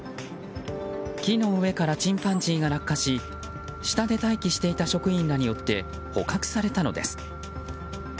木の上からチンパンジーが落下し下で待機していた職員らによって捕獲されたのです。